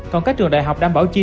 còn các trường đại học đảm bảo chi